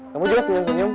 kamu juga senyum senyum